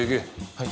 はい。